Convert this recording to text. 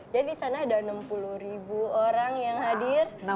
jadi di sana ada enam puluh ribu orang yang hadir